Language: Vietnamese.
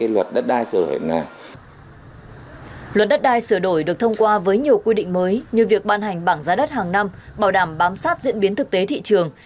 luật đất đai sửa đổi được thông qua với nhiều quy định mới như việc ban hành bảng giá đất hàng năm bảo đảm bám sát diễn biến thực tế thị trường